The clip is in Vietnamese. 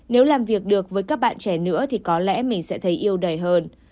nếu làm việc được với các bạn trẻ nữa thì có lẽ mình sẽ thấy yêu đầy hơn